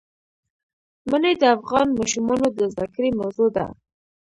منی د افغان ماشومانو د زده کړې موضوع ده.